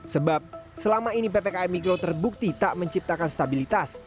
sebab selama ini ppkm mikro terbukti tak menciptakan stabilitas